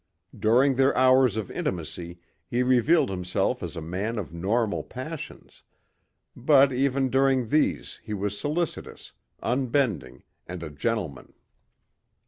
During their hours of intimacy he revealed himself as a man of normal passions. But even during these he was solicitous, unbending and a gentleman.